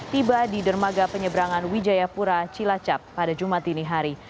tiba di dermaga penyeberangan wijayapura cilacap pada jumat ini hari